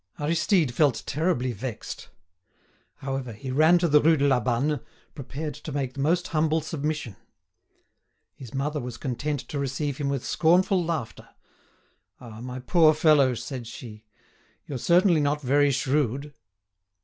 Aristide felt terribly vexed. However, he ran to the Rue de la Banne, prepared to make the most humble submission. His mother was content to receive him with scornful laughter. "Ah! my poor fellow," said she, "you're certainly not very shrewd."